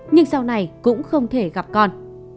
nhưng sau này cũng không thể gặp con